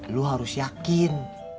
lu harus yakin